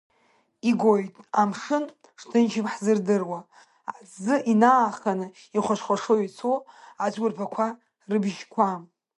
Игоит, амшын шҭынчым ҳзырдыруа, аҭӡы инааханы ихәашхәаша ицо ацәқәырԥақәа рыбжьқәа.